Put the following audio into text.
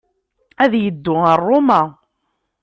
Ad yeddu ɣer Roma.